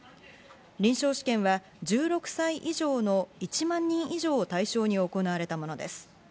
臨床試験は１６歳以上の１万人以上を対象に行われたものです。